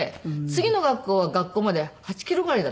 次の学校は学校まで８キロぐらいだった。